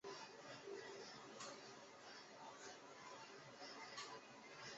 天城文又称天城体。